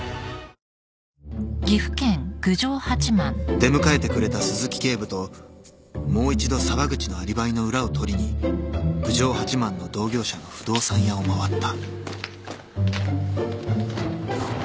［出迎えてくれた鈴木警部ともう一度沢口のアリバイの裏を取りに郡上八幡の同業者の不動産屋を回った］